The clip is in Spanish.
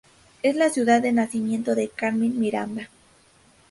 Es la ciudad de nacimiento de Carmen Miranda.